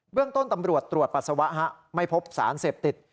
เรื่องต้นตำรวจตรวจปัสสาวะไม่พบสารเสพติด